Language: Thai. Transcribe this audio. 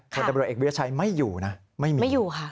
ครับค่ะพลตำรวจเอกวิทยาชายไม่อยู่นะไม่มีไม่มีไม่อยู่ค่ะ